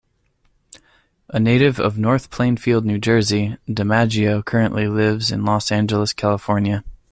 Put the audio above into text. A native of North Plainfield, New Jersey, DiMaggio currently lives in Los Angeles, California.